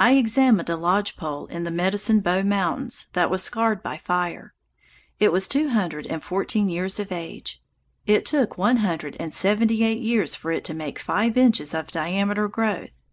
I examined a lodge pole in the Medicine Bow Mountains that was scarred by fire. It was two hundred and fourteen years of age. It took one hundred and seventy eight years for it to make five inches of diameter growth.